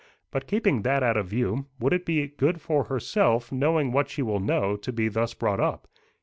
But keeping that out of view, would it be good for herself, knowing what she will know, to be thus brought up?